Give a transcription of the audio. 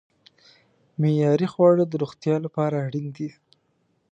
معیاري خواړه د روغتیا لپاره اړین دي.